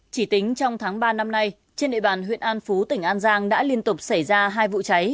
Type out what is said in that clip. chỉ tính trong tháng ba năm nay trên địa bàn huyện an phú tỉnh an giang đã liên tục xảy ra hai vụ cháy